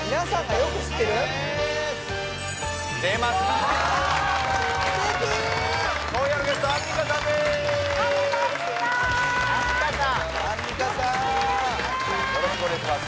よろしくお願いします